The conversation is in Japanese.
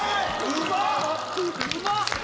うまっ！